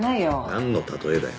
なんの例えだよ。